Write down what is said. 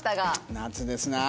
夏ですなあ。